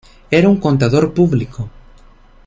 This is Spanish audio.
Era un contador Público.